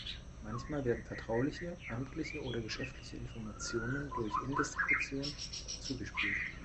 Manchmal werden vertrauliche, amtliche oder geschäftliche Informationen durch Indiskretion „zugespielt“.